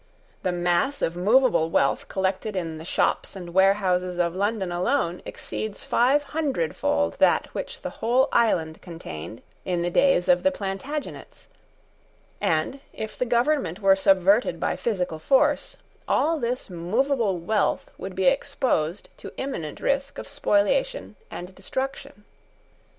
The mass of movable wealth collected in the shops and warehouses of London alone exceeds five hundredfold that which the whole island contained in the days of the Plantagenets; and, if the government were subverted by physical force, all this movable wealth would be exposed to imminent risk of spoliation and destruction.